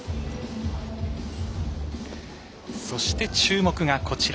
そして、注目がこちら。